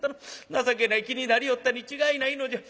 情けない気になりよったに違いないのじゃ。